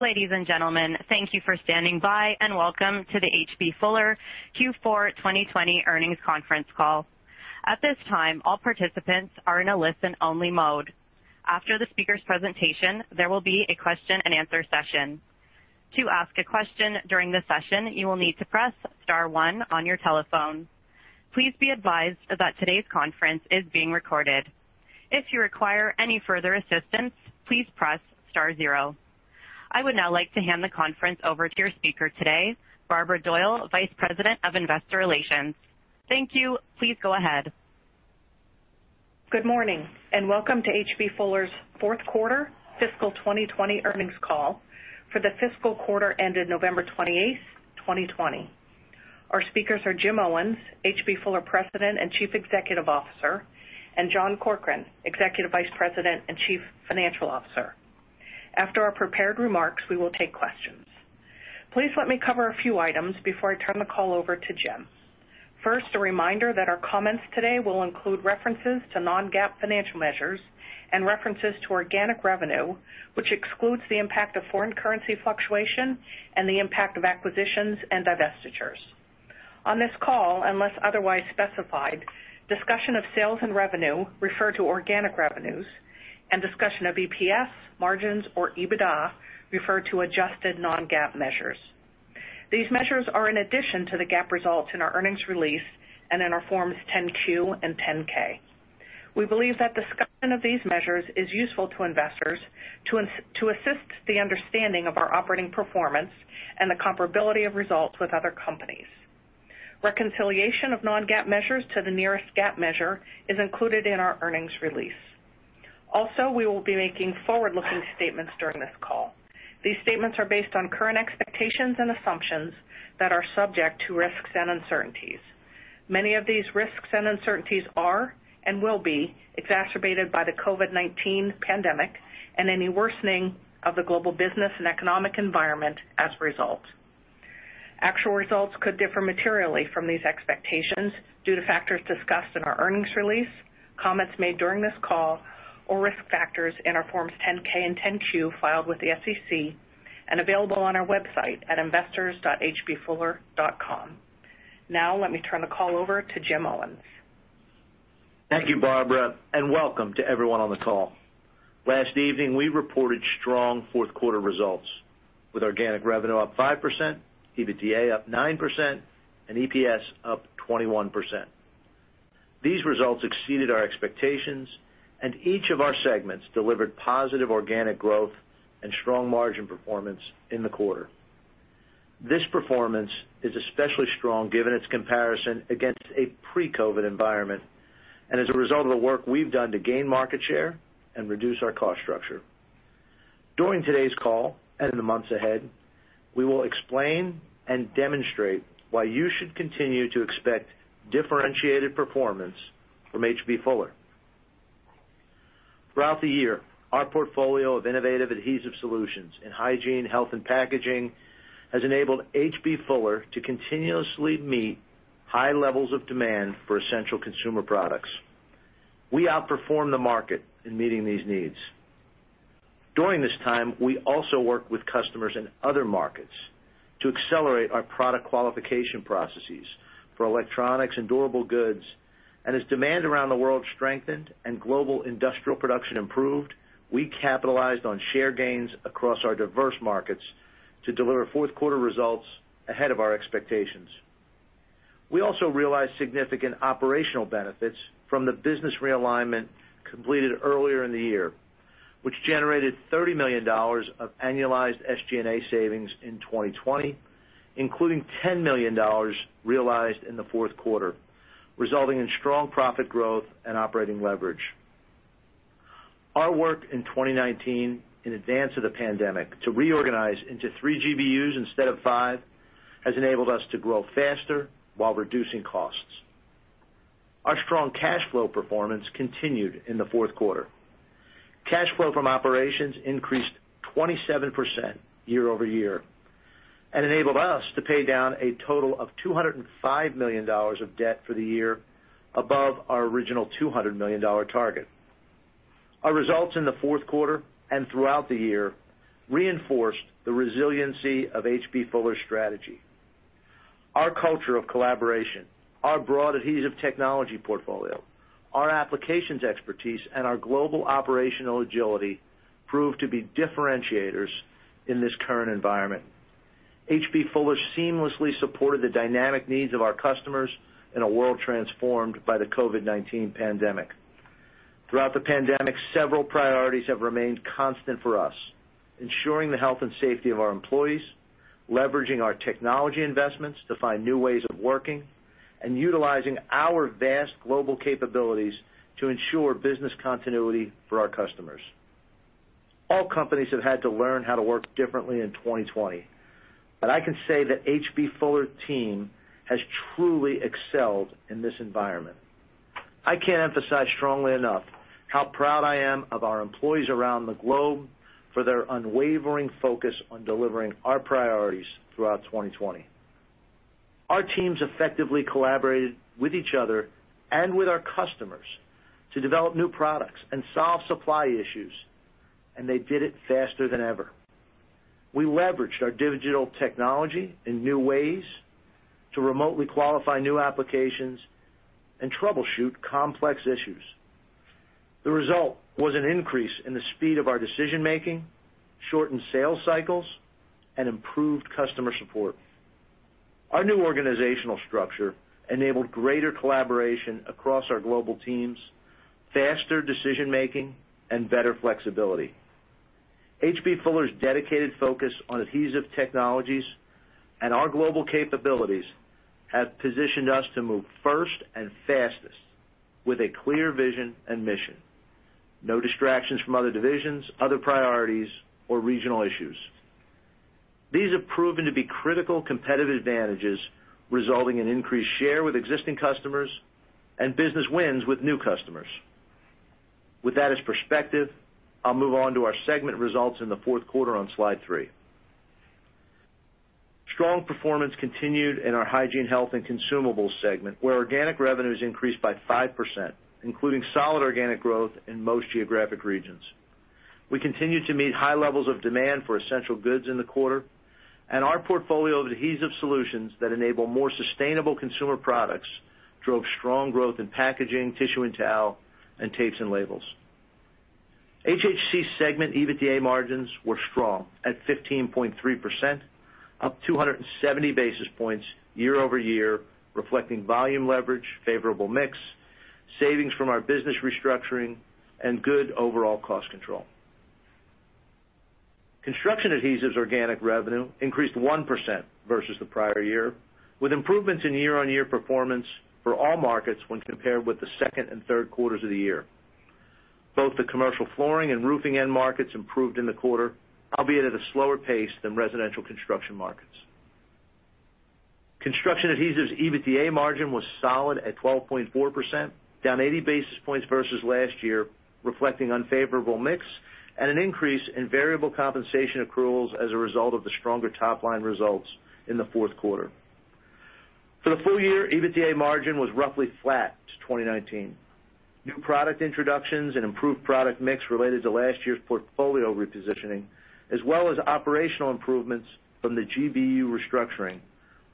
Ladies and gentlemen, thank you for standing by, and welcome to the H.B. Fuller Q4 2020 earnings conference call. At this time, all participants are in a listen-only mode. After the speaker's presentation, there will be a question and answer session. To ask a question during the session, you will need to press star one on your telephone. Please be advised that today's conference is being recorded. If you require any further assistance, please press star zero. I would now like to hand the conference over to your speaker today, Barbara Doyle, Vice President of Investor Relations. Thank you. Please go ahead. Good morning, and welcome to H.B. Fuller's fourth quarter fiscal 2020 earnings call for the fiscal quarter ended November 28th, 2020. Our speakers are Jim Owens, H.B. Fuller President and Chief Executive Officer, and John Corkrean, Executive Vice President and Chief Financial Officer. After our prepared remarks, we will take questions. Please let me cover a few items before I turn the call over to Jim. First, a reminder that our comments today will include references to non-GAAP financial measures and references to organic revenue, which excludes the impact of foreign currency fluctuation and the impact of acquisitions and divestitures. On this call, unless otherwise specified, discussion of sales and revenue refer to organic revenues, and discussion of EPS, margins, or EBITDA refer to adjusted non-GAAP measures. These measures are in addition to the GAAP results in our earnings release and in our Forms 10-Q and 10-K. We believe that discussion of these measures is useful to investors to assist the understanding of our operating performance and the comparability of results with other companies. Reconciliation of non-GAAP measures to the nearest GAAP measure is included in our earnings release. Also, we will be making forward-looking statements during this call. These statements are based on current expectations and assumptions that are subject to risks and uncertainties. Many of these risks and uncertainties are and will be exacerbated by the COVID-19 pandemic and any worsening of the global business and economic environment as a result. Actual results could differ materially from these expectations due to factors discussed in our earnings release, comments made during this call, or risk factors in our Forms 10-K and 10-Q filed with the SEC and available on our website at investors.hbfuller.com. Now, let me turn the call over to Jim Owens. Thank you, Barbara. Welcome to everyone on the call. Last evening, we reported strong fourth quarter results, with organic revenue up 5%, EBITDA up 9%, and EPS up 21%. These results exceeded our expectations. Each of our segments delivered positive organic growth and strong margin performance in the quarter. This performance is especially strong given its comparison against a pre-COVID environment and as a result of the work we've done to gain market share and reduce our cost structure. During today's call and in the months ahead, we will explain and demonstrate why you should continue to expect differentiated performance from H.B. Fuller. Throughout the year, our portfolio of innovative adhesive solutions in hygiene, health, and packaging has enabled H.B. Fuller to continuously meet high levels of demand for essential consumer products. We outperformed the market in meeting these needs. During this time, we also worked with customers in other markets to accelerate our product qualification processes for electronics and durable goods. As demand around the world strengthened and global industrial production improved, we capitalized on share gains across our diverse markets to deliver fourth quarter results ahead of our expectations. We also realized significant operational benefits from the business realignment completed earlier in the year, which generated $30 million of annualized SG&A savings in 2020, including $10 million realized in the fourth quarter, resulting in strong profit growth and operating leverage. Our work in 2019 in advance of the pandemic to reorganize into three GBUs instead of five has enabled us to grow faster while reducing costs. Our strong cash flow performance continued in the fourth quarter. Cash flow from operations increased 27% year-over-year and enabled us to pay down a total of $205 million of debt for the year above our original $200 million target. Our results in the fourth quarter and throughout the year reinforced the resiliency of H.B. Fuller's strategy. Our culture of collaboration, our broad adhesive technology portfolio, our applications expertise, and our global operational agility proved to be differentiators in this current environment. H.B. Fuller seamlessly supported the dynamic needs of our customers in a world transformed by the COVID-19 pandemic. Throughout the pandemic, several priorities have remained constant for us, ensuring the health and safety of our employees, leveraging our technology investments to find new ways of working, and utilizing our vast global capabilities to ensure business continuity for our customers. All companies have had to learn how to work differently in 2020, but I can say that H.B. Fuller team has truly excelled in this environment. I can't emphasize strongly enough how proud I am of our employees around the globe for their unwavering focus on delivering our priorities throughout 2020. Our teams effectively collaborated with each other and with our customers to develop new products and solve supply issues, and they did it faster than ever. We leveraged our digital technology in new ways to remotely qualify new applications and troubleshoot complex issues. The result was an increase in the speed of our decision-making, shortened sales cycles, and improved customer support. Our new organizational structure enabled greater collaboration across our global teams, faster decision-making, and better flexibility. H.B. Fuller's dedicated focus on adhesive technologies and our global capabilities have positioned us to move first and fastest with a clear vision and mission. No distractions from other divisions, other priorities, or regional issues. These have proven to be critical competitive advantages, resulting in increased share with existing customers and business wins with new customers. With that as perspective, I'll move on to our segment results in the fourth quarter on slide three. Strong performance continued in our hygiene, health, and consumables segment, where organic revenues increased by 5%, including solid organic growth in most geographic regions. We continued to meet high levels of demand for essential goods in the quarter, and our portfolio of adhesive solutions that enable more sustainable consumer products drove strong growth in packaging, tissue and towel, and tapes and labels. HHC segment EBITDA margins were strong at 15.3%, up 270 basis points year-over-year, reflecting volume leverage, favorable mix, savings from our business restructuring, and good overall cost control. Construction adhesives organic revenue increased 1% versus the prior year, with improvements in year-on-year performance for all markets when compared with the second and third quarters of the year. Both the commercial flooring and roofing end markets improved in the quarter, albeit at a slower pace than residential construction markets. Construction adhesives EBITDA margin was solid at 12.4%, down 80 basis points versus last year, reflecting unfavorable mix and an increase in variable compensation accruals as a result of the stronger top-line results in the fourth quarter. For the full year, EBITDA margin was roughly flat to 2019. New product introductions and improved product mix related to last year's portfolio repositioning, as well as operational improvements from the GBU restructuring,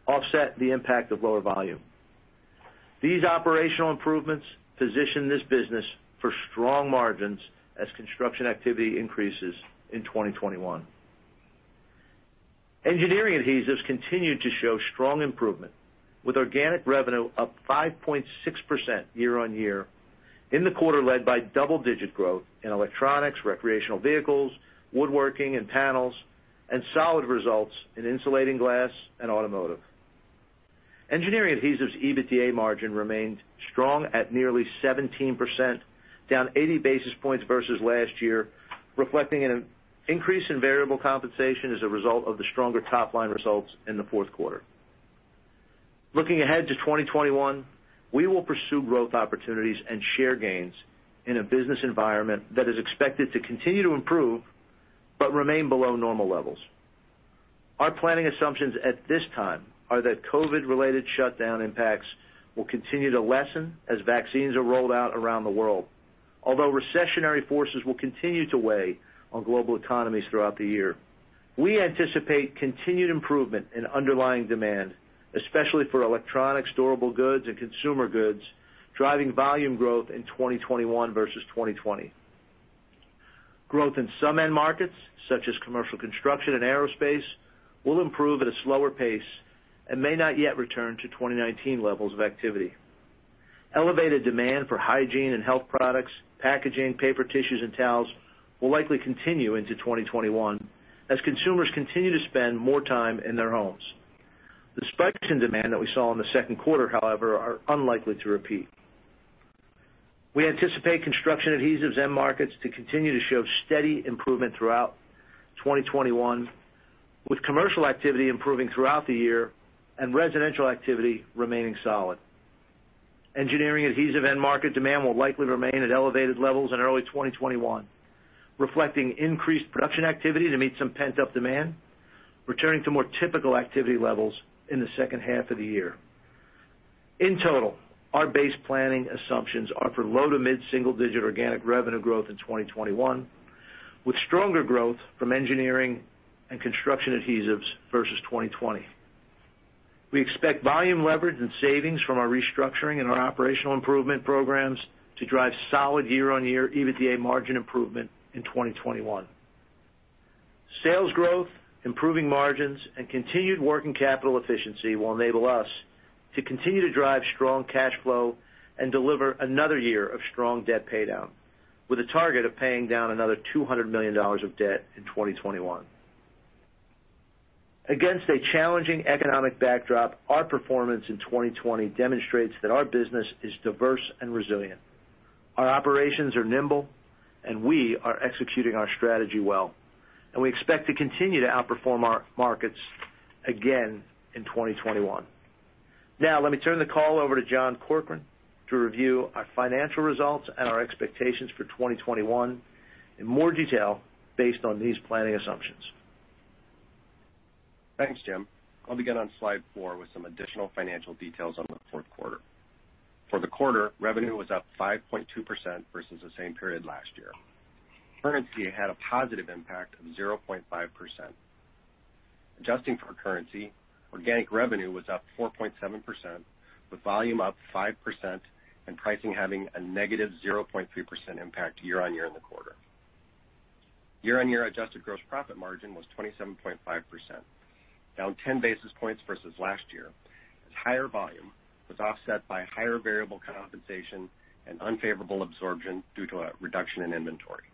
offset the impact of lower volume. These operational improvements position this business for strong margins as construction activity increases in 2021. Engineering adhesives continued to show strong improvement, with organic revenue up 5.6% year-on-year in the quarter, led by double-digit growth in electronics, recreational vehicles, woodworking and panels, and solid results in insulating glass and automotive. Engineering adhesives EBITDA margin remained strong at nearly 17%, down 80 basis points versus last year, reflecting an increase in variable compensation as a result of the stronger top-line results in the fourth quarter. Looking ahead to 2021, we will pursue growth opportunities and share gains in a business environment that is expected to continue to improve but remain below normal levels. Our planning assumptions at this time are that COVID related shutdown impacts will continue to lessen as vaccines are rolled out around the world. Although recessionary forces will continue to weigh on global economies throughout the year. We anticipate continued improvement in underlying demand, especially for electronics, durable goods, and consumer goods, driving volume growth in 2021 versus 2020. Growth in some end markets, such as commercial construction and aerospace, will improve at a slower pace and may not yet return to 2019 levels of activity. Elevated demand for hygiene and health products, packaging, paper tissues, and towels will likely continue into 2021 as consumers continue to spend more time in their homes. The spikes in demand that we saw in the second quarter, however, are unlikely to repeat. We anticipate construction adhesives end markets to continue to show steady improvement throughout 2021, with commercial activity improving throughout the year and residential activity remaining solid. Engineering adhesives end market demand will likely remain at elevated levels in early 2021, reflecting increased production activity to meet some pent-up demand, returning to more typical activity levels in the second half of the year. In total, our base planning assumptions are for low-to-mid single-digit organic revenue growth in 2021, with stronger growth from engineering adhesives and construction adhesives versus 2020. We expect volume leverage and savings from our restructuring and our operational improvement programs to drive solid year-on-year EBITDA margin improvement in 2021. Sales growth, improving margins, and continued working capital efficiency will enable us to continue to drive strong cash flow and deliver another year of strong debt paydown, with a target of paying down another $200 million of debt in 2021. Against a challenging economic backdrop, our performance in 2020 demonstrates that our business is diverse and resilient. Our operations are nimble, we are executing our strategy well, we expect to continue to outperform our markets again in 2021. Let me turn the call over to John Corkrean to review our financial results and our expectations for 2021 in more detail based on these planning assumptions. Thanks, Jim. I'll begin on slide four with some additional financial details on the fourth quarter. For the quarter, revenue was up 5.2% versus the same period last year. Currency had a positive impact of 0.5%. Adjusting for currency, organic revenue was up 4.7%, with volume up 5% and pricing having a -0.3% impact year-over-year in the quarter. Year-over-year adjusted gross profit margin was 27.5%, down 10 basis points versus last year, as higher volume was offset by higher variable compensation and unfavorable absorption due to a reduction in inventory.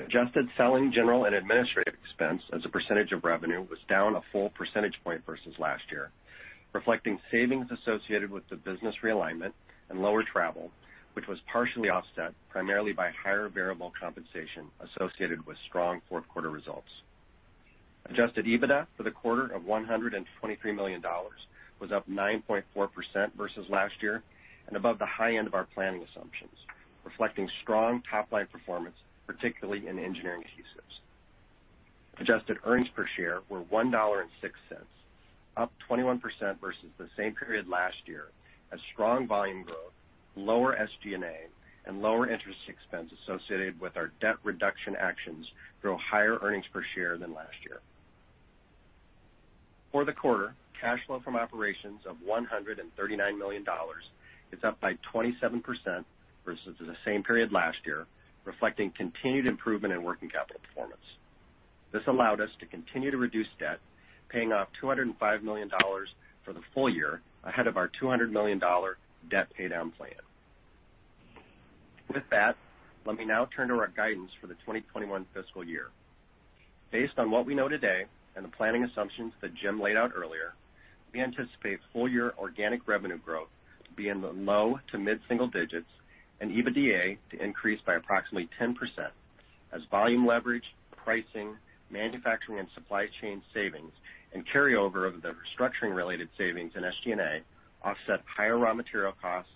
Adjusted selling general and administrative expense as a percentage of revenue was down a full percentage point versus last year, reflecting savings associated with the business realignment and lower travel, which was partially offset primarily by higher variable compensation associated with strong fourth quarter results. Adjusted EBITDA for the quarter of $123 million was up 9.4% versus last year and above the high end of our planning assumptions, reflecting strong top-line performance, particularly in engineering adhesives. Adjusted earnings per share were $1.06, up 21% versus the same period last year, as strong volume growth, lower SG&A, and lower interest expense associated with our debt reduction actions drove higher earnings per share than last year. For the quarter, cash flow from operations of $139 million is up by 27% versus the same period last year, reflecting continued improvement in working capital performance. This allowed us to continue to reduce debt, paying off $205 million for the full year ahead of our $200 million debt paydown plan. With that, let me now turn to our guidance for the 2021 fiscal year. Based on what we know today and the planning assumptions that Jim laid out earlier, we anticipate full year organic revenue growth to be in the low to mid single-digits and EBITDA to increase by approximately 10%, as volume leverage, pricing, manufacturing and supply chain savings, and carryover of the restructuring related savings in SG&A offset higher raw material costs,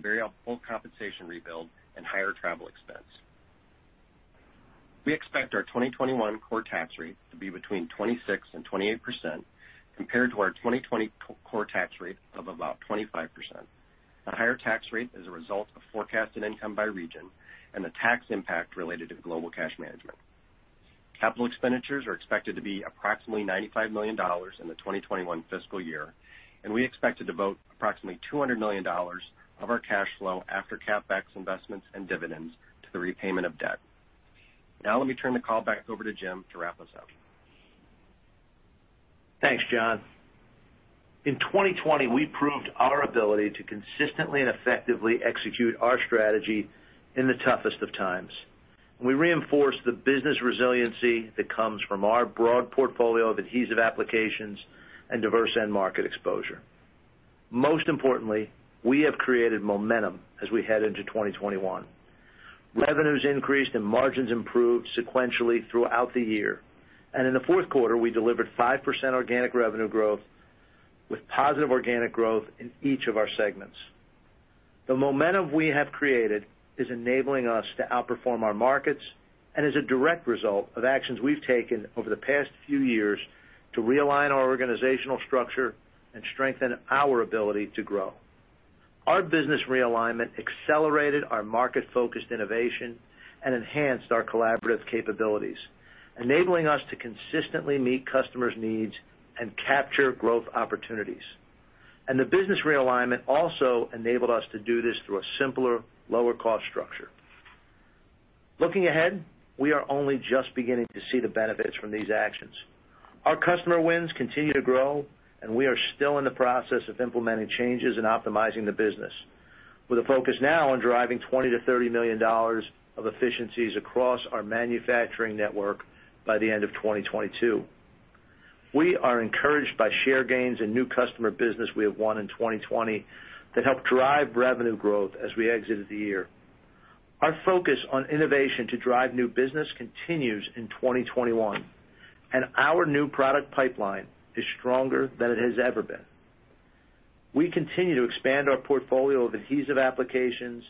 variable compensation rebuild, and higher travel expense. We expect our 2021 core tax rate to be between 26% and 28%, compared to our 2020 core tax rate of about 25%. A higher tax rate is a result of forecasted income by region and the tax impact related to global cash management. Capital expenditures are expected to be approximately $95 million in the 2021 fiscal year, and we expect to devote approximately $200 million of our cash flow after CapEx investments and dividends to the repayment of debt. Now let me turn the call back over to Jim to wrap us up. Thanks, John. In 2020, we proved our ability to consistently and effectively execute our strategy in the toughest of times. We reinforced the business resiliency that comes from our broad portfolio of adhesive applications and diverse end market exposure. Most importantly, we have created momentum as we head into 2021. Revenues increased and margins improved sequentially throughout the year. In the fourth quarter, we delivered 5% organic revenue growth with positive organic growth in each of our segments. The momentum we have created is enabling us to outperform our markets and is a direct result of actions we've taken over the past few years to realign our organizational structure and strengthen our ability to grow. Our business realignment accelerated our market-focused innovation and enhanced our collaborative capabilities, enabling us to consistently meet customers' needs and capture growth opportunities. The business realignment also enabled us to do this through a simpler, lower cost structure. Looking ahead, we are only just beginning to see the benefits from these actions. Our customer wins continue to grow, and we are still in the process of implementing changes and optimizing the business, with a focus now on driving $20 million-$30 million of efficiencies across our manufacturing network by the end of 2022. We are encouraged by share gains and new customer business we have won in 2020 that helped drive revenue growth as we exited the year. Our focus on innovation to drive new business continues in 2021, and our new product pipeline is stronger than it has ever been. We continue to expand our portfolio of adhesive applications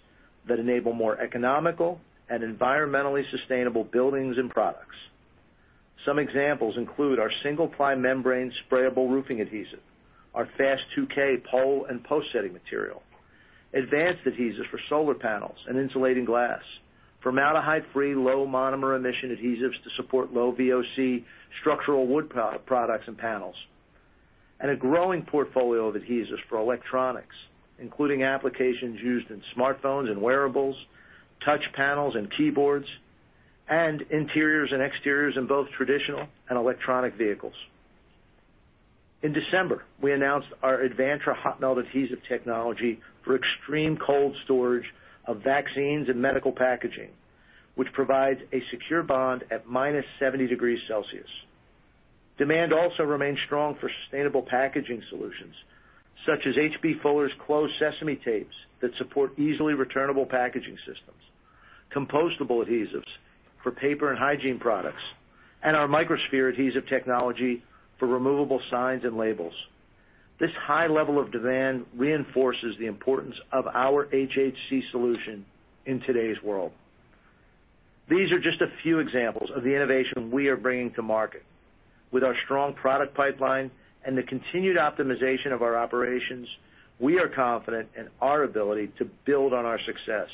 that enable more economical and environmentally sustainable buildings and products. Some examples include our single-ply membrane sprayable roofing adhesive, our Fast 2K pole and post setting material, advanced adhesives for solar panels and insulating glass, formaldehyde-free low monomer emission adhesives to support low VOC structural wood products and panels. A growing portfolio of adhesives for electronics, including applications used in smartphones and wearables, touch panels and keyboards, and interiors and exteriors in both traditional and electronic vehicles. In December, we announced our Advantra hot melt adhesive technology for extreme cold storage of vaccines and medical packaging, which provides a secure bond at -70 degrees Celsius. Demand also remains strong for sustainable packaging solutions, such as H.B. Fuller's Close-Sesame tapes that support easily returnable packaging systems, compostable adhesives for paper and hygiene products, and our microsphere adhesive technology for removable signs and labels. This high level of demand reinforces the importance of our HHC solution in today's world. These are just a few examples of the innovation we are bringing to market. With our strong product pipeline and the continued optimization of our operations, we are confident in our ability to build on our success,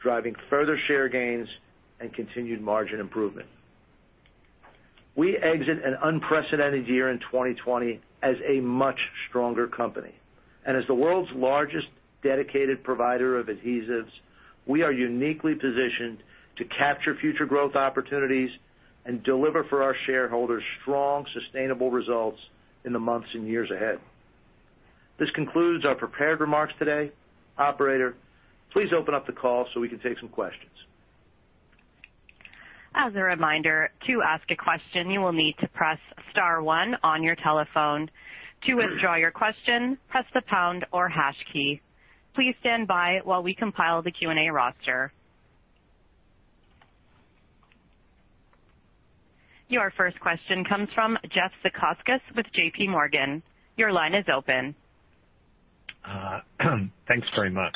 driving further share gains and continued margin improvement. We exit an unprecedented year in 2020 as a much stronger company. As the world's largest dedicated provider of adhesives, we are uniquely positioned to capture future growth opportunities and deliver for our shareholders strong, sustainable results in the months and years ahead. This concludes our prepared remarks today. Operator, please open up the call so we can take some questions. As a reminder to ask a question you'll need to press star one on your telephone. To withdraw your question press the pound or hash key. Please stand by while we compile the Q&A roster. Your first question comes from Jeff Zekauskas with JPMorgan. Your line is open. Thanks very much.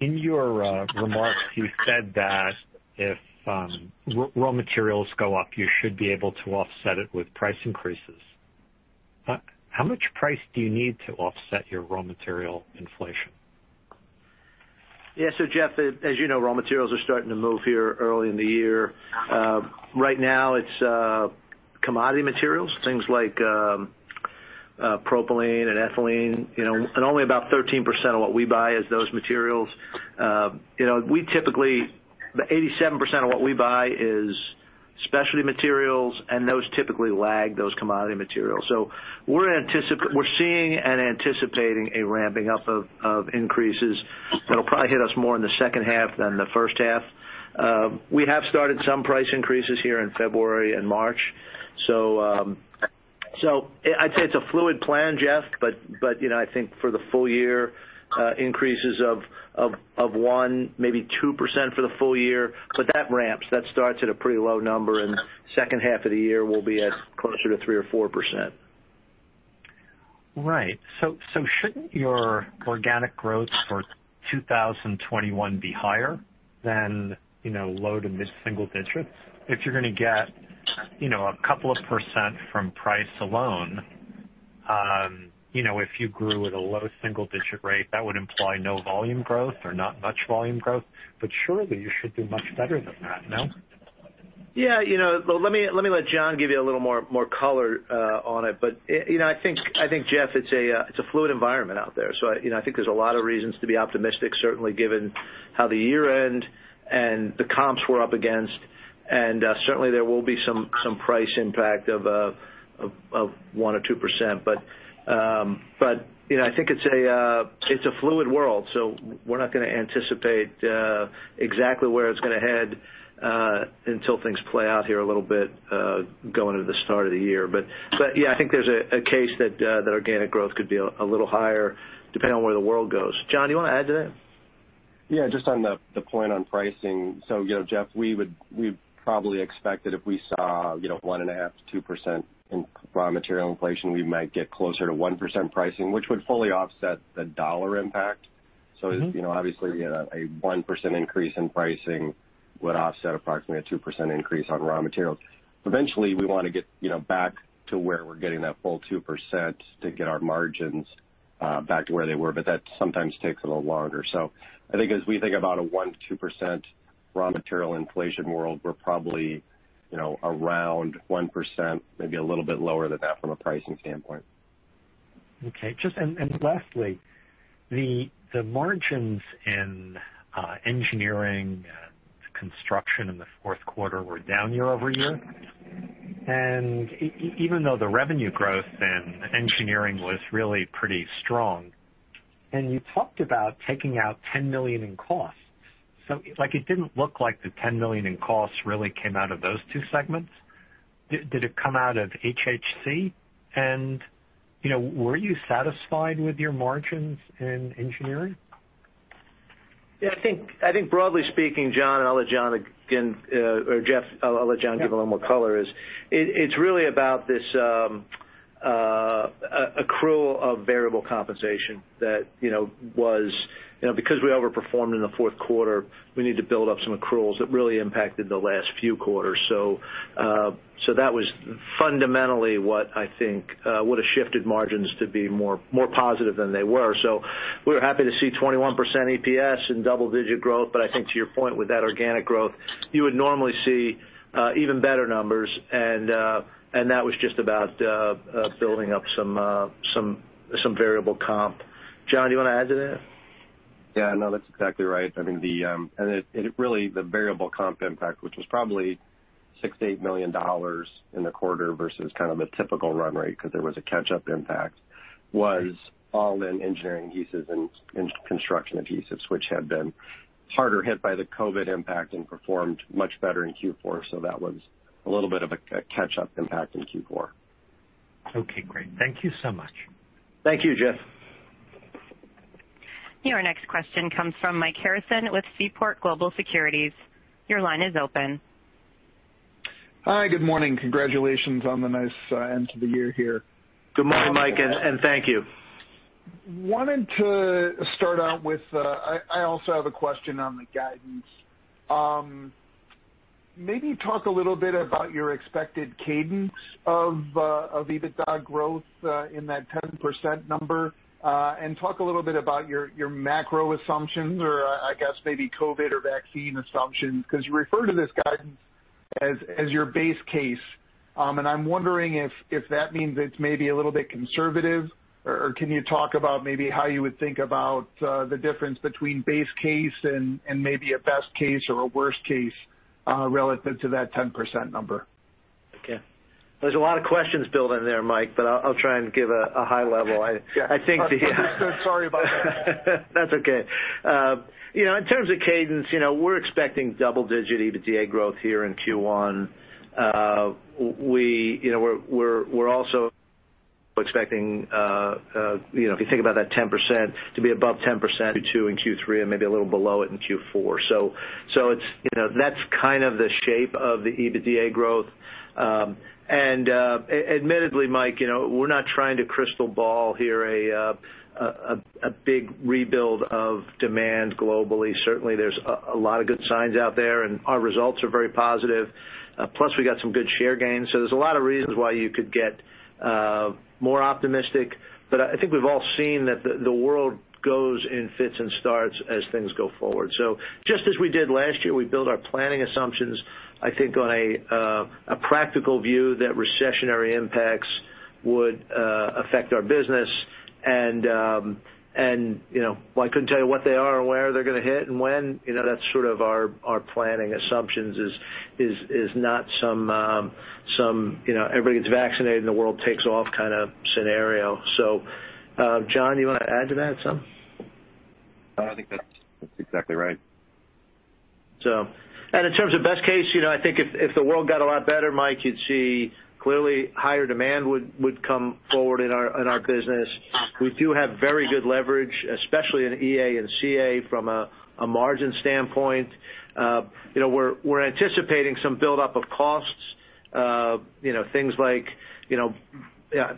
In your remarks, you said that if raw materials go up, you should be able to offset it with price increases. How much price do you need to offset your raw material inflation? Yeah. Jeff, as you know, raw materials are starting to move here early in the year. Right now, it's commodity materials, things like propylene and ethylene, and only about 13% of what we buy is those materials. 87% of what we buy is specialty materials, and those typically lag those commodity materials. We're seeing and anticipating a ramping up of increases that'll probably hit us more in the second half than the first half. We have started some price increases here in February and March. I'd say it's a fluid plan, Jeff, but I think for the full year, increases of 1%-2% for the full year, but that ramps. That starts at a pretty low number, and second half of the year, we'll be at closer to 3%-4%. Right. Shouldn't your organic growth for 2021 be higher than low to mid single-digits? If you're going to get a couple of percent from price alone, if you grew at a low double digit rate, that would imply no volume growth or not much volume growth. Surely you should do much better than that, no? Yeah. Let me let John give you a little more color on it. I think, Jeff, it's a fluid environment out there. I think there's a lot of reasons to be optimistic, certainly given how the year end and the comps were up against, and certainly, there will be some price impact of 1% or 2%. I think it's a fluid world, so we're not going to anticipate exactly where it's going to head until things play out here a little bit, going into the start of the year. Yeah, I think there's a case that organic growth could be a little higher depending on where the world goes. John, do you want to add to that? Yeah, just on the point on pricing. Jeff, we probably expect that if we saw 1.5%-2% in raw material inflation, we might get closer to 1% pricing, which would fully offset the dollar impact. Obviously, a 1% increase in pricing would offset approximately a 2% increase on raw materials. Eventually, we want to get back to where we're getting that full 2% to get our margins back to where they were, but that sometimes takes a little longer. I think as we think about a 1%, 2% raw material inflation world, we're probably around 1%, maybe a little bit lower than that from a pricing standpoint. Okay. Lastly, the margins in Engineering and Construction in the fourth quarter were down year-over-year, even though the revenue growth in Engineering was really pretty strong. You talked about taking out $10 million in costs. It didn't look like the $10 million in costs really came out of those two segments. Did it come out of HHC? Were you satisfied with your margins in Engineering? Yeah, I think broadly speaking, Jeff, and I'll let John give a little more color, is it's really about this accrual of variable compensation that, because we overperformed in the fourth quarter, we need to build up some accruals that really impacted the last few quarters. That was fundamentally what I think would've shifted margins to be more positive than they were. We were happy to see 21% EPS and double-digit growth, but I think to your point, with that organic growth, you would normally see even better numbers and that was just about building up some variable comp. John, do you want to add to that? Yeah, no, that's exactly right. The variable comp impact, which was probably $6 million-$8 million in the quarter versus kind of a typical run rate, because there was a catch-up impact, was all in engineering adhesives and construction adhesives, which had been harder hit by the COVID-19 impact and performed much better in Q4, so that was a little bit of a catch-up impact in Q4. Okay, great. Thank you so much. Thank you, Jeff. Your next question comes from Mike Harrison with Seaport Global Securities. Your line is open. Hi. Good morning. Congratulations on the nice end to the year here. Good morning, Mike, and thank you. Wanted to start out with, I also have a question on the guidance. Maybe talk a little bit about your expected cadence of EBITDA growth in that 10% number, and talk a little bit about your macro assumptions or, I guess, maybe COVID or vaccine assumptions. You refer to this guidance as your base case, and I'm wondering if that means it's maybe a little bit conservative, or can you talk about maybe how you would think about the difference between base case and maybe a best case or a worst case relative to that 10% number? Okay. There's a lot of questions built in there, Mike, but I'll try and give a high level. Yeah. Sorry about that. That's okay. In terms of cadence, we're expecting double-digit EBITDA growth here in Q1. We're also expecting, if you think about that 10%, to be above 10% in Q2 and Q3 and maybe a little below it in Q4. That's kind of the shape of the EBITDA growth. Admittedly, Mike, we're not trying to crystal ball here a big rebuild of demand globally. Certainly, there's a lot of good signs out there, and our results are very positive. Plus, we got some good share gains. There's a lot of reasons why you could get more optimistic. I think we've all seen that the world goes in fits and starts as things go forward. Just as we did last year, we built our planning assumptions, I think, on a practical view that recessionary impacts would affect our business. While I couldn't tell you what they are or where they're going to hit and when, that's sort of our planning assumptions is not some everybody gets vaccinated and the world takes off kind of scenario. John, you want to add to that some? I think that's exactly right. In terms of best case, I think if the world got a lot better, Mike, you'd see clearly higher demand would come forward in our business. We do have very good leverage, especially in EA and CA from a margin standpoint. We're anticipating some buildup of costs. Things like,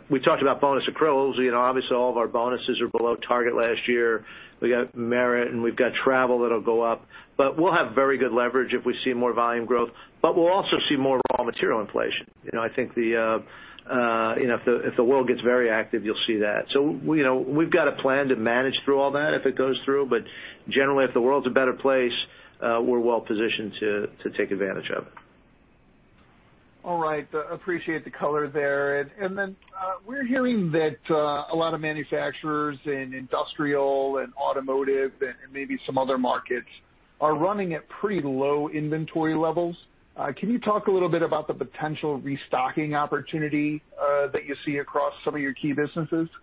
we talked about bonus accruals. Obviously, all of our bonuses are below target last year. We got merit, and we've got travel that'll go up. We'll have very good leverage if we see more volume growth. We'll also see more raw material inflation. I think if the world gets very active, you'll see that. We've got a plan to manage through all that if it goes through, but generally, if the world's a better place, we're well-positioned to take advantage of it. All right. Appreciate the color there. We're hearing that a lot of manufacturers in industrial and automotive and maybe some other markets are running at pretty low inventory levels. Can you talk a little bit about the potential restocking opportunity that you see across some of your key businesses? Yeah.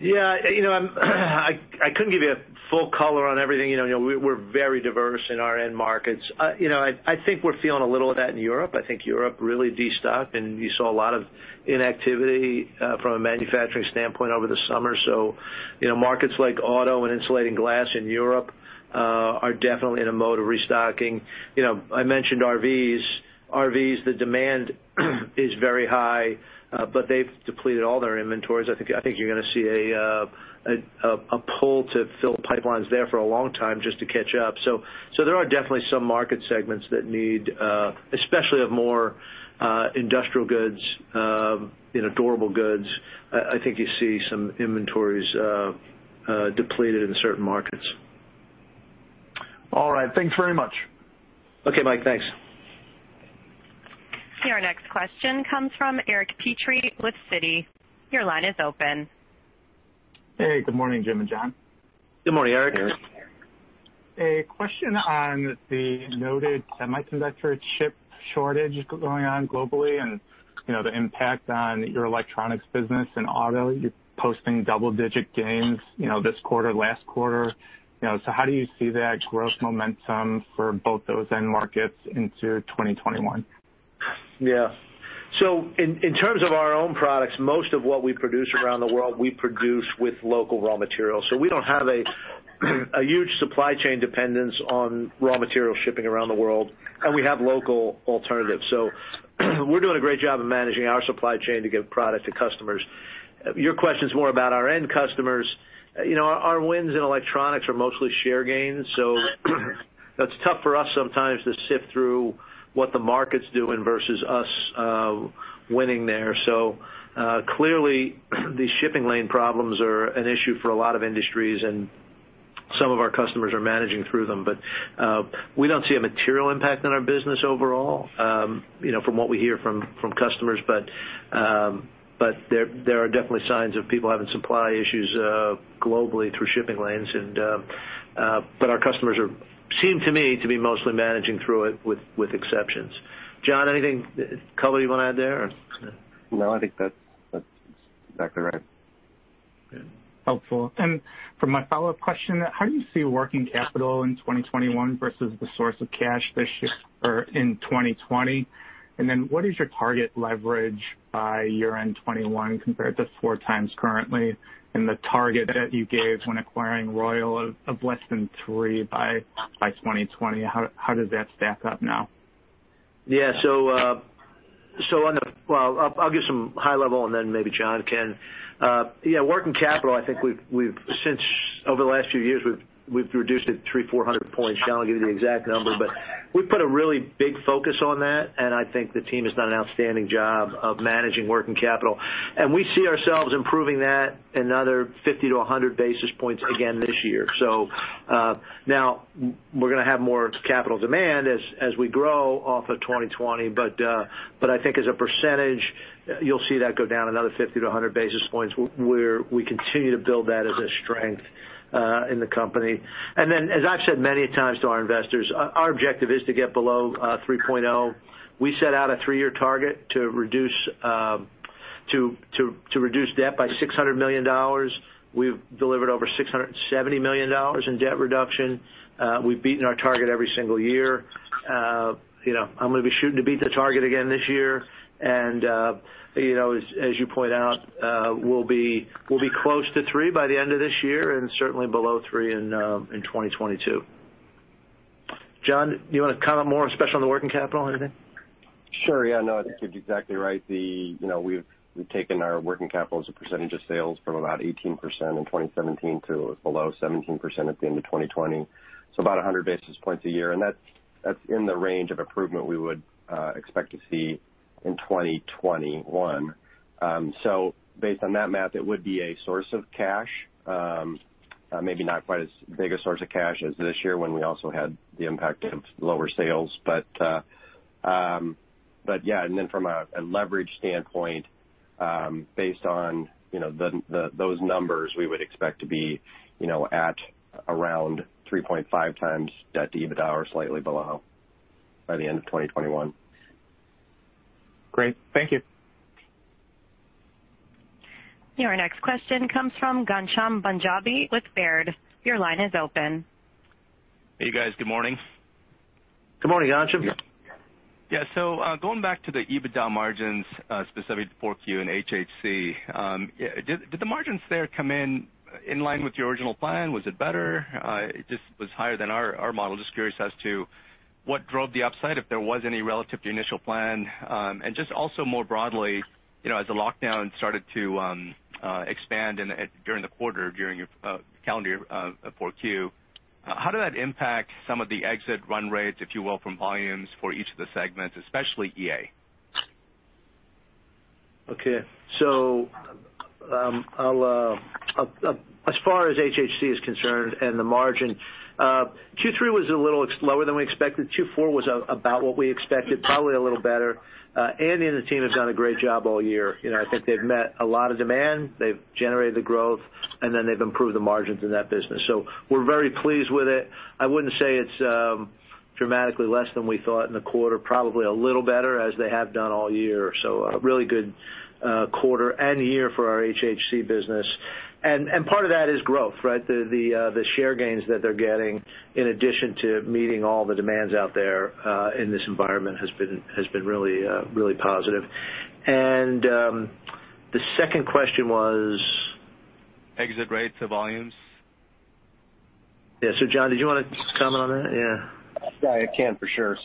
I couldn't give you a full color on everything. We're very diverse in our end markets. I think we're feeling a little of that in Europe. I think Europe really destocked, and you saw a lot of inactivity from a manufacturing standpoint over the summer. Markets like auto and insulating glass in Europe are definitely in a mode of restocking. I mentioned RVs. RVs, the demand is very high, but they've depleted all their inventories. I think you're going to see a pull to fill pipelines there for a long time just to catch up. There are definitely some market segments that need, especially of more industrial goods and durable goods, I think you see some inventories depleted in certain markets. All right. Thanks very much. Okay, Mike. Thanks. Our next question comes from Eric Petrie with Citi. Your line is open. Hey, good morning, Jim and John. Good morning, Eric. Eric. A question on the noted semiconductor chip shortage going on globally and the impact on your electronics business and auto. You're posting double-digit gains this quarter, last quarter. How do you see that growth momentum for both those end markets into 2021? In terms of our own products, most of what we produce around the world, we produce with local raw materials. We don't have a huge supply chain dependence on raw material shipping around the world, and we have local alternatives. We're doing a great job of managing our supply chain to get product to customers. Your question's more about our end customers. Our wins in electronics are mostly share gains, so that's tough for us sometimes to sift through what the market's doing versus us winning there. Clearly, these shipping lane problems are an issue for a lot of industries, and some of our customers are managing through them. We don't see a material impact on our business overall from what we hear from customers. There are definitely signs of people having supply issues globally through shipping lanes. Our customers seem to me to be mostly managing through it with exceptions. John, anything, color you want to add there? No, I think that's exactly right. Helpful. For my follow-up question, how do you see working capital in 2021 versus the source of cash this year or in 2020? What is your target leverage by year-end 2021 compared to 4x currently, and the target that you gave when acquiring Royal of less than 3x by 2020? How does that stack up now? Yeah. I'll give some high level, and then maybe John can. Working capital, I think over the last few years, we've reduced it 300 points, 400 points. John will give you the exact number, but we've put a really big focus on that, and I think the team has done an outstanding job of managing working capital. We see ourselves improving that another 50 basis points-100 basis points again this year. Now we're going to have more capital demand as we grow off of 2020. I think as a percentage, you'll see that go down another 50 basis points-100 basis points, where we continue to build that as a strength in the company. As I've said many times to our investors, our objective is to get below 3.0x. We set out a three-year target to reduce debt by $600 million. We've delivered over $670 million in debt reduction. We've beaten our target every single year. I'm going to be shooting to beat the target again this year, and as you point out, we'll be close to 3x by the end of this year and certainly below 3x in 2022. John, do you want to comment more, especially on the working capital? Anything? Sure. Yeah, no, I think you're exactly right. We've taken our working capital as a percentage of sales from about 18% in 2017 to below 17% at the end of 2020. About 100 basis points a year, and that's in the range of improvement we would expect to see in 2021. Based on that math, it would be a source of cash. Maybe not quite as big a source of cash as this year when we also had the impact of lower sales. Yeah. Then from a leverage standpoint based on those numbers, we would expect to be at around 3.5x debt to EBITDA or slightly below by the end of 2021. Great. Thank you. Your next question comes from Ghansham Panjabi with Baird. Your line is open. Hey, guys. Good morning. Good morning, Ghansham. Yeah. Going back to the EBITDA margins, specifically 4Q and HHC, did the margins there come in line with your original plan? Was it better? It just was higher than our model. Just curious as to what drove the upside, if there was any relative to initial plan. Just also more broadly, as the lockdown started to expand during the quarter, during calendar 4Q, how did that impact some of the exit run rates, if you will, from volumes for each of the segments, especially EA? Okay. As far as HHC is concerned and the margin, Q3 was a little slower than we expected. Q4 was about what we expected, probably a little better. Andy and the team have done a great job all year. I think they've met a lot of demand. They've generated the growth, they've improved the margins in that business. We're very pleased with it. I wouldn't say it's dramatically less than we thought in the quarter. Probably a little better as they have done all year. A really good quarter and year for our HHC business. Part of that is growth, right? The share gains that they're getting in addition to meeting all the demands out there in this environment has been really positive. The second question was? Exit rates of volumes. Yeah. John, did you want to comment on that? Yeah. Yeah, I can for sure.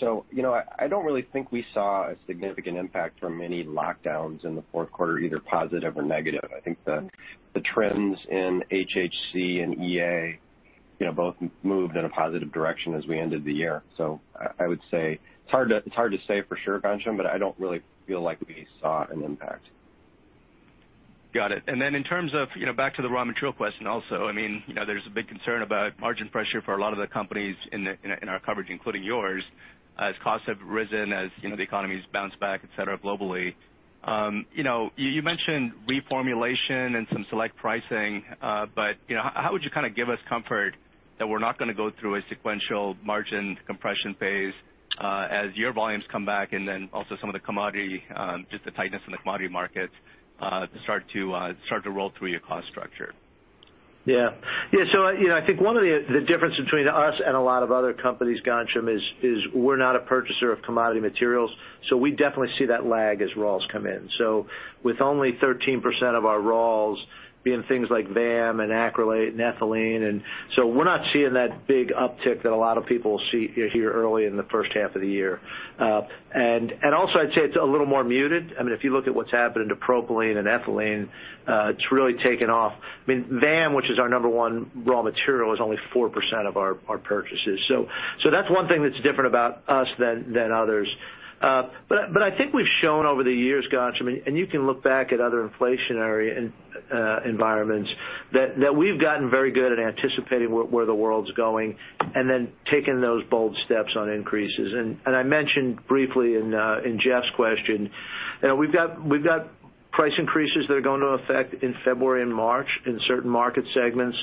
I don't really think we saw a significant impact from any lockdowns in the fourth quarter, either positive or negative. I think the trends in HHC and EA both moved in a positive direction as we ended the year. I would say it's hard to say for sure, Ghansham, but I don't really feel like we saw an impact. Got it. Then in terms of back to the raw material question also, there's a big concern about margin pressure for a lot of the companies in our coverage, including yours, as costs have risen, as the economy's bounced back, et cetera, globally. You mentioned reformulation and some select pricing. How would you kind of give us comfort that we're not going to go through a sequential margin compression phase as your volumes come back, and then also some of the commodity, just the tightness in the commodity markets start to roll through your cost structure? Yeah. I think one of the difference between us and a lot of other companies, Ghansham, is we're not a purchaser of commodity materials, we definitely see that lag as raws come in. With only 13% of our raws being things like VAM and acrylate, ethylene, we're not seeing that big uptick that a lot of people will see here early in the first half of the year. Also I'd say it's a little more muted. If you look at what's happened to propylene and ethylene, it's really taken off. VAM, which is our number one raw material, is only 4% of our purchases. That's one thing that's different about us than others. I think we've shown over the years, Ghansham, and you can look back at other inflationary environments, that we've gotten very good at anticipating where the world's going and then taking those bold steps on increases. I mentioned briefly in Jeff's question, we've got price increases that are going into effect in February and March in certain market segments.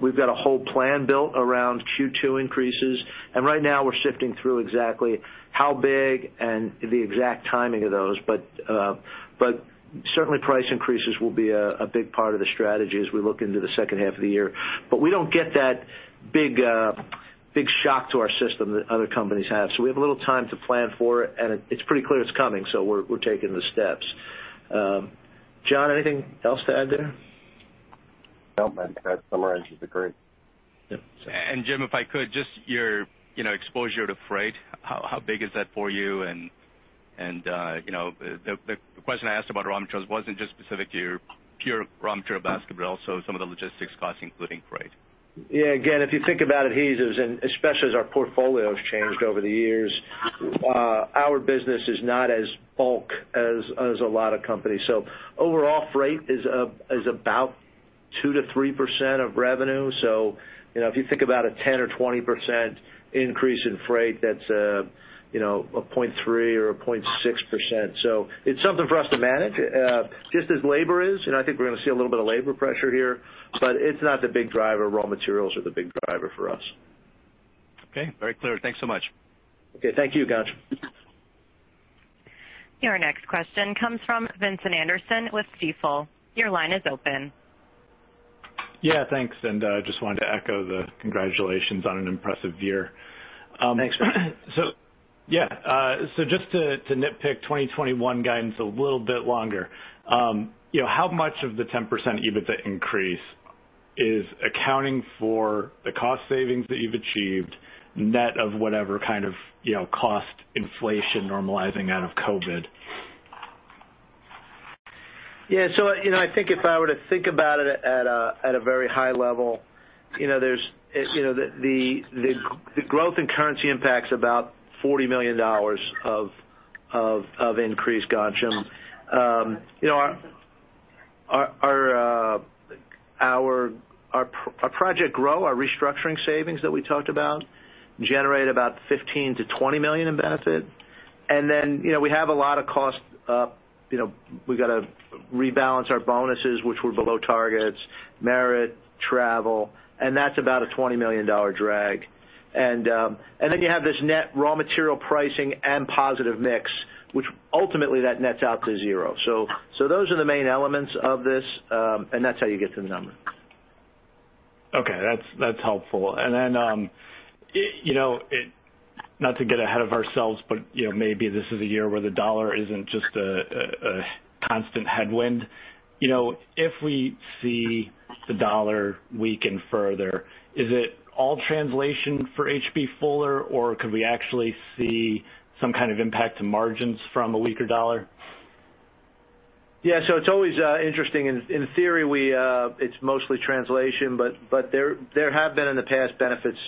We've got a whole plan built around Q2 increases, and right now we're sifting through exactly how big and the exact timing of those. Certainly price increases will be a big part of the strategy as we look into the second half of the year. We don't get that big shock to our system that other companies have. We have a little time to plan for it, and it's pretty clear it's coming, so we're taking the steps. John, anything else to add there? No. I think that summarizes it great. Yeah. Jim, if I could, just your exposure to freight, how big is that for you? The question I asked about raw materials wasn't just specific to your pure raw material basket, but also some of the logistics costs, including freight. Yeah. Again, if you think about adhesives, and especially as our portfolio has changed over the years, our business is not as bulk as a lot of companies. Overall freight is about 2%-3% of revenue. If you think about a 10% or 20% increase in freight, that's a 0.3% or a 0.6%. It's something for us to manage, just as labor is, and I think we're going to see a little bit of labor pressure here, but it's not the big driver. Raw materials are the big driver for us. Okay. Very clear. Thanks so much. Okay. Thank you, Ghansham. Your next question comes from Vincent Anderson with Stifel. Your line is open. Yeah, thanks. I just wanted to echo the congratulations on an impressive year. Thanks. Yeah. Just to nitpick 2021 guidance a little bit longer. How much of the 10% EBITDA increase is accounting for the cost savings that you've achieved, net of whatever kind of cost inflation normalizing out of COVID? Yeah. I think if I were to think about it at a very high level, the growth in currency impact's about $40 million of increased, Ghansham. Our Project GROW, our restructuring savings that we talked about, generate about $15 million-$20 million in benefit. We have a lot of cost up. We've got to rebalance our bonuses, which were below targets, merit, travel, and that's about a $20 million drag. You have this net raw material pricing and positive mix, which ultimately that nets out to zero. Those are the main elements of this, and that's how you get to the number. Okay. That's helpful. Not to get ahead of ourselves, maybe this is a year where the dollar isn't just a constant headwind. If we see the dollar weaken further, is it all translation for H.B. Fuller, or could we actually see some kind of impact to margins from a weaker dollar? Yeah. It's always interesting. In theory, it's mostly translation, but there have been in the past benefits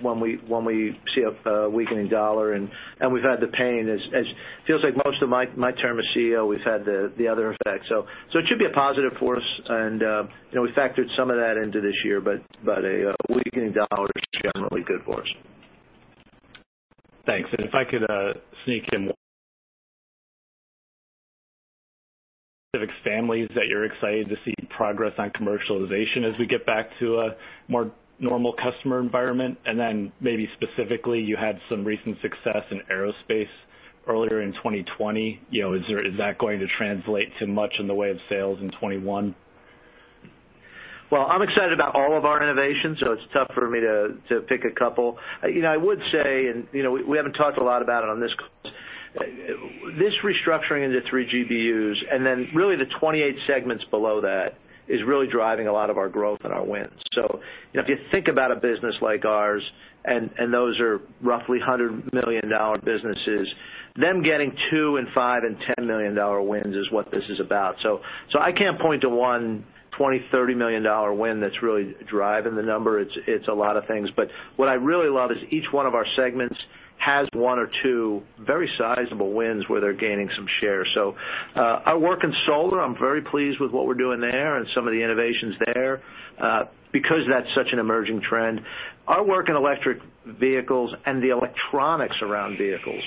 when we see a weakening dollar, and we've had the pain as feels like most of my term as Chief Executive Officer, we've had the other effect. It should be a positive for us, and we factored some of that into this year, but a weakening dollar is generally good for us. Thanks. If I could sneak in one specific families that you're excited to see progress on commercialization as we get back to a more normal customer environment, and then maybe specifically, you had some recent success in aerospace earlier in 2020. Is that going to translate to much in the way of sales in 2021? I'm excited about all of our innovations, so it's tough for me to pick a couple. I would say, and we haven't talked a lot about it on this call, this restructuring into three GBUs, and then really the 28 segments below that is really driving a lot of our growth and our wins. If you think about a business like ours, and those are roughly $100 million businesses, them getting $2 million and $5 million and $10 million wins is what this is about. I can't point to one $20 million, $30 million win that's really driving the number. It's a lot of things, but what I really love is each one of our segments has one or two very sizable wins where they're gaining some share. Our work in solar, I'm very pleased with what we're doing there and some of the innovations there. That's such an emerging trend. Our work in electric vehicles and the electronics around vehicles.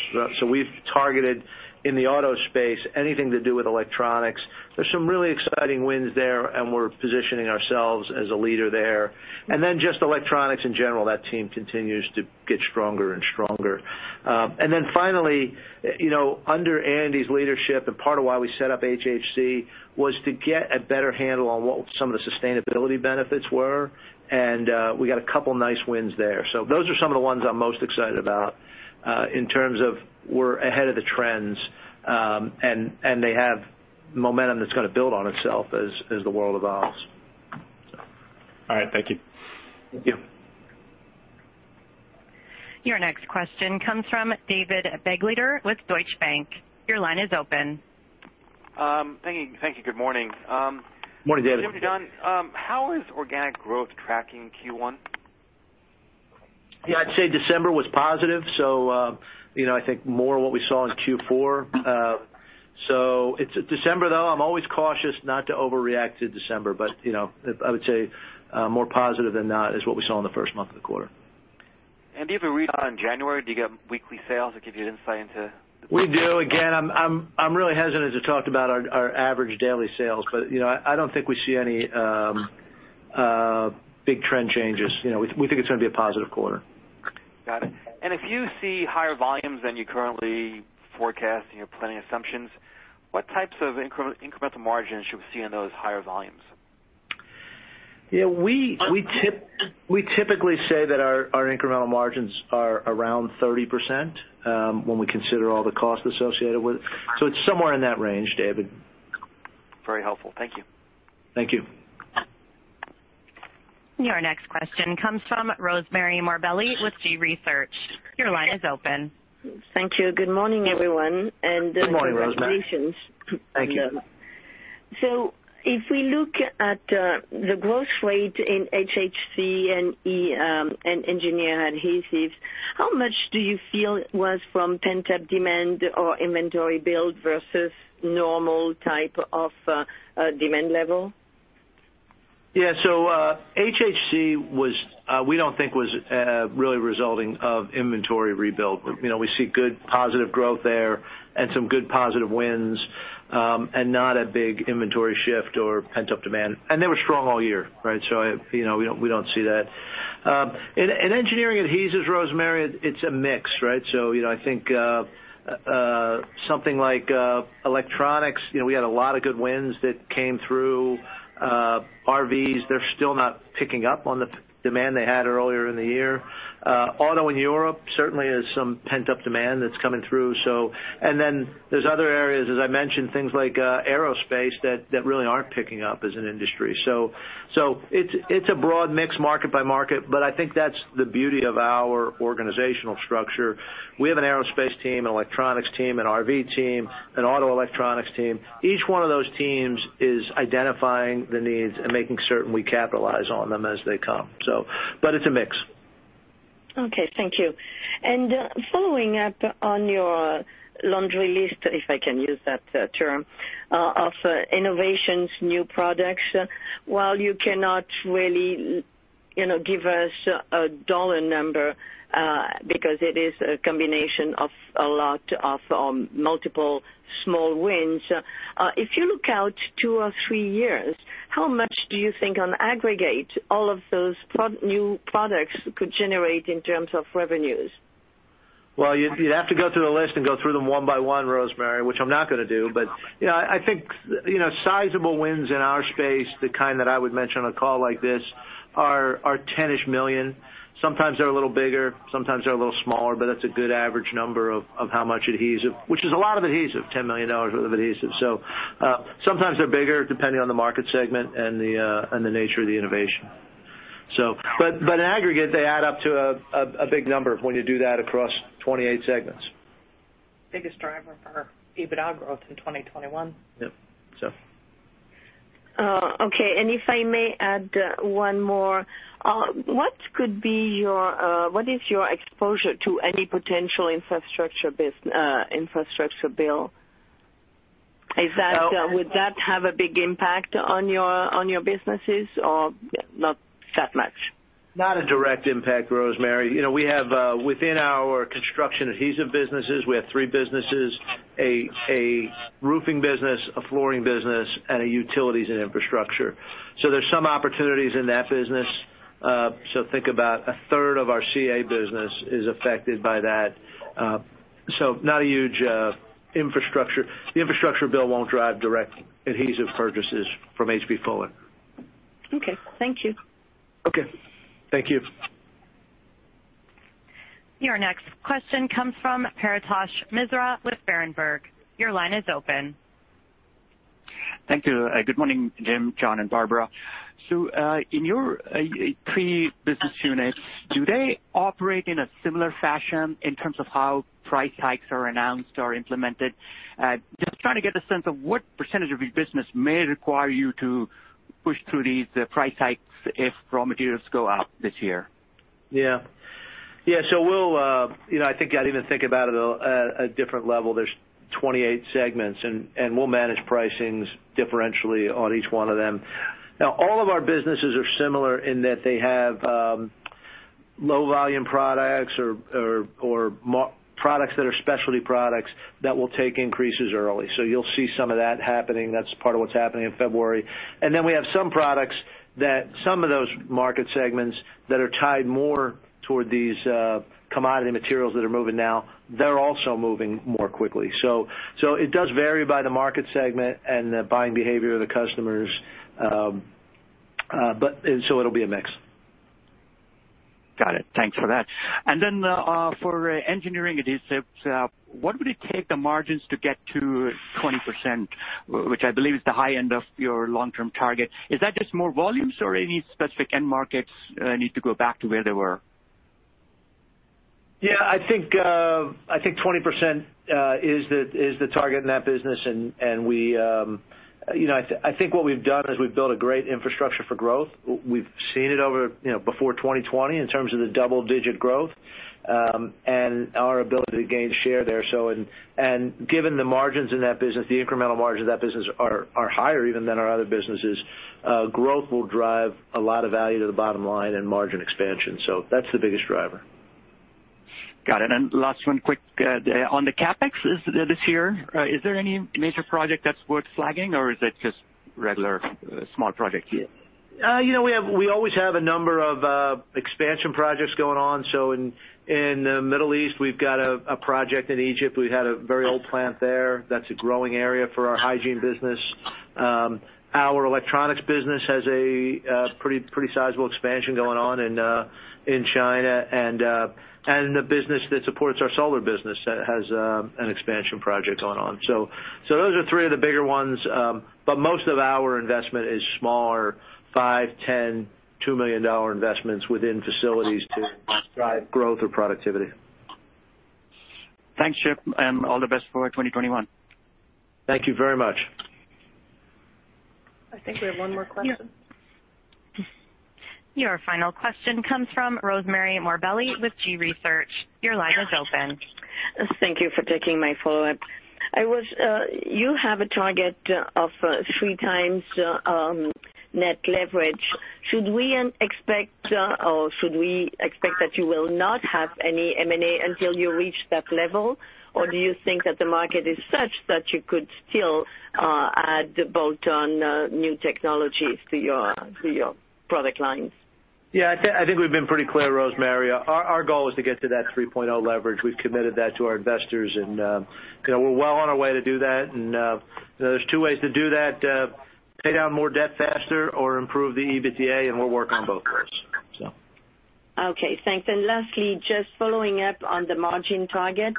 We've targeted in the auto space anything to do with electronics. There's some really exciting wins there, and we're positioning ourselves as a leader there. Just electronics in general. That team continues to get stronger and stronger. Finally, under Andy's leadership and part of why we set up HHC was to get a better handle on what some of the sustainability benefits were, and we got a couple nice wins there. Those are some of the ones I'm most excited about, in terms of we're ahead of the trends, and they have momentum that's going to build on itself as the world evolves. All right. Thank you. Thank you. Your next question comes from David Begleiter with Deutsche Bank. Your line is open. Thank you. Good morning. Morning, David. Jim and John. How is organic growth tracking Q1? Yeah, I'd say December was positive. I think more of what we saw in Q4. It's December, though I'm always cautious not to overreact to December. I would say more positive than not is what we saw in the first month of the quarter. Do you have a read on January? Do you get weekly sales that give you an insight into the quarter? We do. I'm really hesitant to talk about our average daily sales, but I don't think we see any big trend changes. We think it's going to be a positive quarter. Got it. If you see higher volumes than you currently forecast in your planning assumptions, what types of incremental margins should we see on those higher volumes? We typically say that our incremental margins are around 30% when we consider all the costs associated with it. It's somewhere in that range, David. Very helpful. Thank you. Thank you. Your next question comes from Rosemarie Morbelli with G.research. Your line is open. Thank you. Good morning, everyone. Good morning, Rosemarie. Congratulations. Thank you. If we look at the growth rate in HHC and engineering adhesives, how much do you feel was from pent-up demand or inventory build versus normal type of demand level? Yeah. HHC, we don't think was really resulting of inventory rebuild. We see good positive growth there and some good positive wins, and not a big inventory shift or pent-up demand. They were strong all year. We don't see that. In engineering adhesives, Rosemarie, it's a mix. I think something like electronics, we had a lot of good wins that came through. RVs, they're still not picking up on the demand they had earlier in the year. Auto in Europe certainly has some pent-up demand that's coming through, and then there's other areas, as I mentioned, things like aerospace that really aren't picking up as an industry. It's a broad mix market by market, but I think that's the beauty of our organizational structure. We have an aerospace team, an electronics team, an RV team, an auto electronics team. Each one of those teams is identifying the needs and making certain we capitalize on them as they come. It's a mix. Okay. Thank you. Following up on your laundry list, if I can use that term, of innovations, new products, while you cannot really give us a dollar number, because it is a combination of a lot of multiple small wins, if you look out two or three years, how much do you think on aggregate all of those new products could generate in terms of revenues? Well, you'd have to go through the list and go through them one by one, Rosemarie, which I'm not going to do. I think, sizable wins in our space, the kind that I would mention on a call like this are $10 million. Sometimes they're a little bigger, sometimes they're a little smaller, but that's a good average number of how much adhesive, which is a lot of adhesive, $10 million worth of adhesive. Sometimes they're bigger depending on the market segment and the nature of the innovation. In aggregate, they add up to a big number when you do that across 28 segments. Biggest driver for EBITDA growth in 2021. Yep. Okay. If I may add one more. What is your exposure to any potential infrastructure bill? Would that have a big impact on your businesses or not that much? Not a direct impact, Rosemarie. Within our construction adhesives businesses, we have three businesses, a roofing business, a flooring business, and a utilities and infrastructure. There's some opportunities in that business. Think about a third of our CA business is affected by that. Not a huge infrastructure. The infrastructure bill won't drive direct adhesive purchases from H.B. Fuller. Okay. Thank you. Okay. Thank you. Your next question comes from Paretosh Misra with Berenberg. Your line is open. Thank you. Good morning, Jim, John, and Barbara. In your three business units, do they operate in a similar fashion in terms of how price hikes are announced or implemented? Just trying to get a sense of what percentage of your business may require you to push through these price hikes if raw materials go up this year. Yeah. I think I'd even think about it at a different level. There's 28 segments, and we'll manage pricings differentially on each one of them. Now, all of our businesses are similar in that they have low volume products or products that are specialty products that will take increases early. You'll see some of that happening. That's part of what's happening in February. We have some products that some of those market segments that are tied more toward these commodity materials that are moving now. They're also moving more quickly. It does vary by the market segment and the buying behavior of the customers. It'll be a mix. Got it. Thanks for that. For engineering adhesives, what would it take the margins to get to 20%, which I believe is the high end of your long-term target? Is that just more volumes or any specific end markets need to go back to where they were? Yeah, I think 20% is the target in that business, and I think what we've done is we've built a great infrastructure for growth. We've seen it before 2020 in terms of the double-digit growth, and our ability to gain share there. Given the margins in that business, the incremental margins of that business are higher even than our other businesses. Growth will drive a lot of value to the bottom line and margin expansion. That's the biggest driver. Got it. Last one quick, on the CapEx this year, is there any major project that's worth flagging, or is it just regular small projects? We always have a number of expansion projects going on. In the Middle East, we've got a project in Egypt. We had a very old plant there. That's a growing area for our hygiene business. Our electronics business has a pretty sizable expansion going on in China, and the business that supports our solar business has an expansion project going on. Those are three of the bigger ones. Most of our investment is smaller, $5 million, $10 million, $2 million investments within facilities to drive growth or productivity. Thanks, Jim, and all the best for 2021. Thank you very much. I think we have one more question. Your final question comes from Rosemarie Morbelli with G.research. Your line is open. Thank you for taking my call. You have a target of 3x net leverage. Should we expect that you will not have any M&A until you reach that level? Do you think that the market is such that you could still add bolt-on new technologies to your product lines? Yeah, I think we've been pretty clear, Rosemarie. Our goal is to get to that 3.0x leverage. We've committed that to our investors, and we're well on our way to do that. There's two ways to do that: pay down more debt faster or improve the EBITDA, and we're working on both curves. Okay, thanks. Lastly, just following up on the margin target,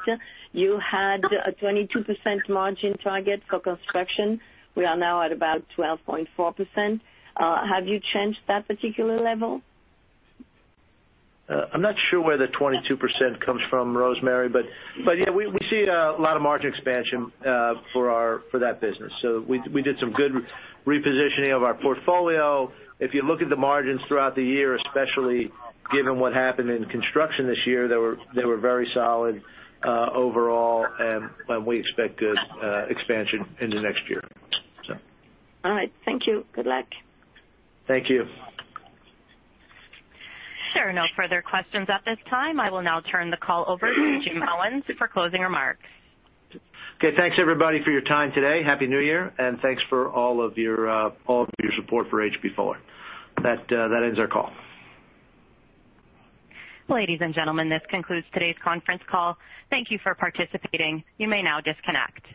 you had a 22% margin target for construction. We are now at about 12.4%. Have you changed that particular level? I'm not sure where the 22% comes from, Rosemarie. Yeah, we see a lot of margin expansion for that business. We did some good repositioning of our portfolio. If you look at the margins throughout the year, especially given what happened in construction this year, they were very solid overall, and we expect good expansion into next year. All right. Thank you. Good luck. Thank you. There are no further questions at this time. I will now turn the call over to Jim Owens for closing remarks. Okay. Thanks, everybody, for your time today. Happy New Year, and thanks for all of your support for H.B. Fuller. That ends our call. Ladies and gentlemen, this concludes today's conference call. Thank you for participating. You may now disconnect.